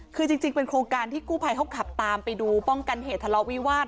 คือจริงเป็นโครงการที่กู้ภัยเขาขับตามไปดูป้องกันเหตุทะเลาะวิวาส